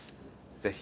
ぜひ。